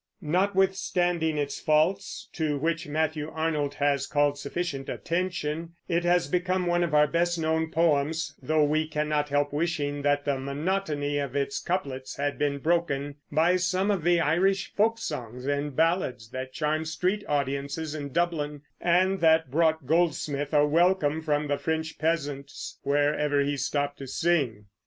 Notwithstanding its faults, to which Matthew Arnold has called sufficient attention, it has become one of our best known poems, though we cannot help wishing that the monotony of its couplets had been broken by some of the Irish folk songs and ballads that charmed street audiences in Dublin, and that brought Goldsmith a welcome from the French peasants wherever he stopped to sing.